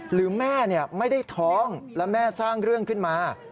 หรือแม่ไม่ได้ท้องและแม่สร้างเรื่องขึ้นมา